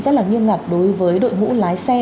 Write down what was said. rất là nghiêm ngặt đối với đội ngũ lái xe